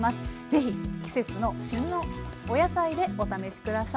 是非季節の旬のお野菜でお試し下さい。